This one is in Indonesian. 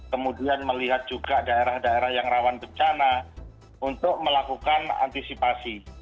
kemudian melihat juga daerah daerah yang rawan bencana untuk melakukan antisipasi